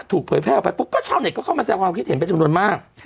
เผยแพร่ออกไปปุ๊บก็ชาวเน็ตก็เข้ามาแสดงความคิดเห็นเป็นจำนวนมาก